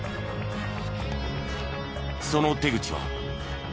その手口は。